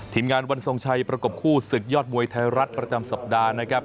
ทีมงานวันทรงชัยประกบคู่ศึกยอดมวยไทยรัฐประจำสัปดาห์นะครับ